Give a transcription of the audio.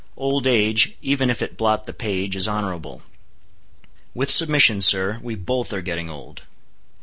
Old age—even if it blot the page—is honorable. With submission, sir, we both are getting old."